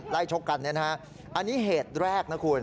ชกกันเนี่ยนะฮะอันนี้เหตุแรกนะคุณ